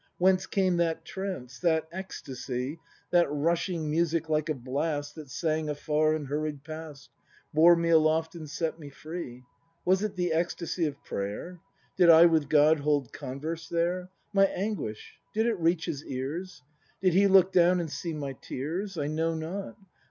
Whence came that trance, that ecstasy. That rushing music, like a blast. That sang afar and hurried past. Bore me aloft and set me free ? Was it the ecstasy of prayer ? Did I with God hold converse there? My anguish — did it reach his ears? Did he look down and see my tears? I know not.